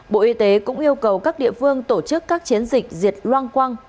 bộ y tế cũng yêu cầu các địa phương tổ chức các chiến dịch diệt loang quang